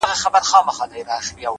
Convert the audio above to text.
مثبت فکر ذهن آراموي!